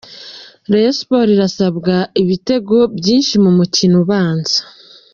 Rayon Sports irasabwa ibitego byinshi mu mukino ubanza.